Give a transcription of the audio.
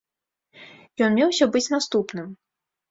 Ён меўся быць наступным.